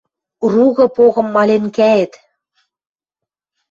Ругы погым маленкаэт